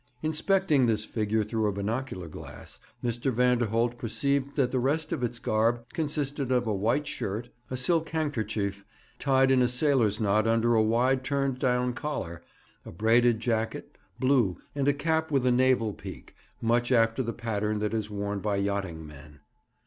Inspecting this figure through a binocular glass, Mr. Vanderholt perceived that the rest of its garb consisted of a white shirt, a silk handkerchief, tied in a sailor's knot under a wide turned down collar, a braided jacket, blue, and a cap with a naval peak, much after the pattern that is worn by yachting men.